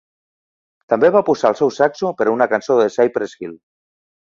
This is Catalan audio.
També va posar el seu saxo per a una cançó de Cypress Hill.